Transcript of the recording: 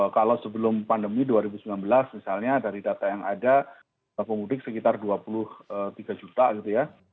kalau sebelum pandemi dua ribu sembilan belas misalnya dari data yang ada pemudik sekitar dua puluh tiga juta gitu ya